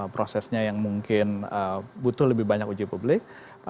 prosesnya yang mungkin butuh lebih banyak uji publik